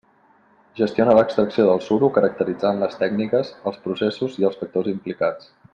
Gestiona l'extracció del suro caracteritzant les tècniques, els processos i els factors implicats.